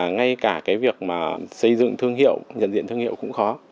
ngay cả cái việc mà xây dựng thương hiệu nhận diện thương hiệu cũng khó